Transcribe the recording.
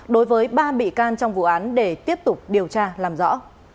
đối với ba bị can trong vụ án để tiếp tục điều tra làm rõ